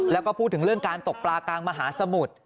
แล้วก็พูดถึงเรื่องการตกปลากลางมหาสมุทร